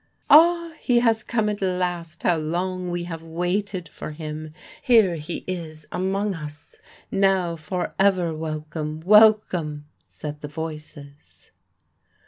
"Ah, he has come at last. How long we have waited for him! Here he is among us. Now forever welcome! welcome!" said the voices.